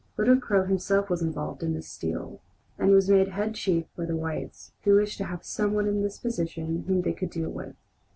Little Crow himself was involved in this steal, and was made head chief by the whites, who wished to have some one in this position whom they could deal with.